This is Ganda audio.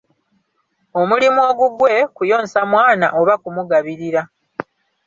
Omulimu ogugwe kuyonsa mwana oba kumugabirira.